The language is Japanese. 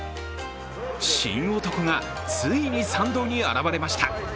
神男がついに参道に現れました。